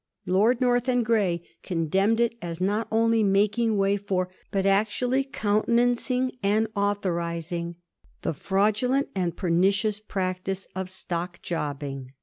Lord North and Gray condemned it as not only making way for, but actually countenancing and authorising * the fraudulent and pernicious prac tice of stock jobbing.'